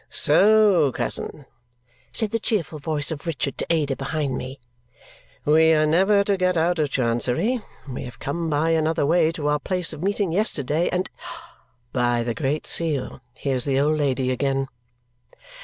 "So, cousin," said the cheerful voice of Richard to Ada behind me. "We are never to get out of Chancery! We have come by another way to our place of meeting yesterday, and by the Great Seal, here's the old lady again!"